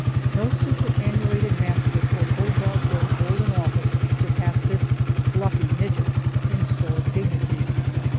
No superannuated mastiff or bulldog grown old in office surpassed this fluffy midget in stoic dignity.